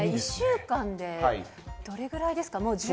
１週間でどれぐらいですか、もう。